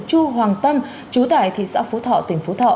chu hoàng tâm chú tại thị xã phú thọ tỉnh phú thọ